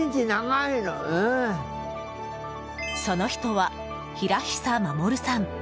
その人は、平久守さん。